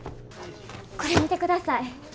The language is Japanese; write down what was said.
これ見てください。